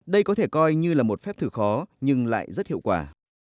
đây có thể coi như là một phép thử khó nhưng lại rất hiệu quả